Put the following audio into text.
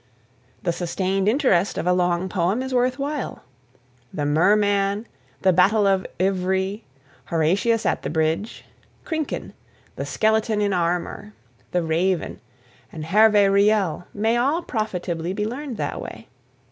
The sustained interest of a long poem is worth while. "The Merman," "The Battle of Ivry," "Horatius at the Bridge," "Krinken," "The Skeleton in Armour," "The Raven" and "Hervé Riel" may all profitably be learned that way.